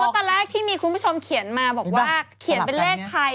อ๋อไปว่าเขา